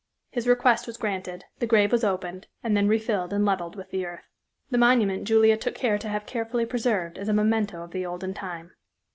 His request was granted, the grave was opened, and then refilled and leveled with the earth. The monument Julia took care to have carefully preserved as a memento of the olden time.